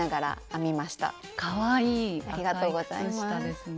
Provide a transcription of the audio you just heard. ありがとうございます。